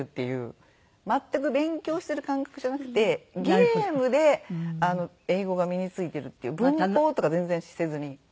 全く勉強してる感覚じゃなくてゲームで英語が身に付いてるっていう文法とか全然せずに。